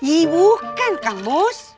ibu kan kangmus